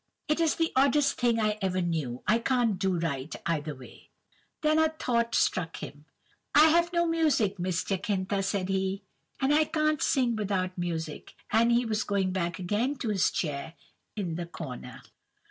It's the oddest thing I ever knew. I can't do right either way.' "Then a thought struck him:— "'I have no music, Miss Jacintha,' said he, 'and I can't sing without music;' and he was going back again to his chair in the corner.